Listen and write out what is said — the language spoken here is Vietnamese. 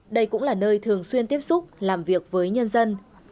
đây cũng là nơi thường xuyên tiếp xúc làm việc với nhân dân